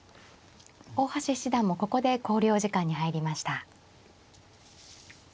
大橋七段もここで考慮時間に入りました。